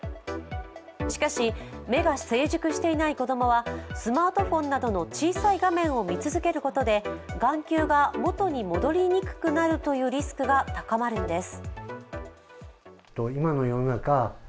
しかし、目が成熟していない子供はスマートフォンなどの小さい画面を見続けることで眼球が元に戻りにくくなるというリスクが高まるんです。